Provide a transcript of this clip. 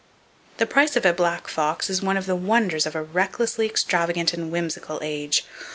The price of a black fox is one of the wonders of a recklessly extravagant and whimsical age.